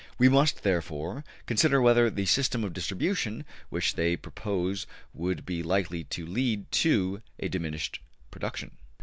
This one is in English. We must, therefore, consider whether the system of distribution which they propose would be likely to lead to a diminished production.